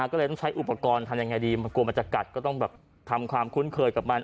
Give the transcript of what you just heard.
ก็เลยต้องใช้อุปกรณ์ทำยังไงดีมันกลัวมันจะกัดก็ต้องแบบทำความคุ้นเคยกับมัน